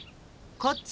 こっち！